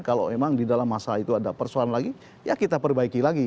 kalau memang di dalam masa itu ada persoalan lagi ya kita perbaiki lagi